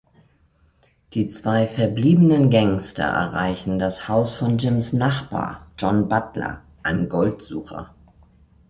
Die zwei verbliebenen Gangster erreichen das Haus von Jims Nachbar John Butler, einem Goldsucher.